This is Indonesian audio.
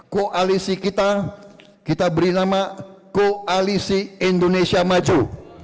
koalisi kita kita beri nama koalisi indonesia maju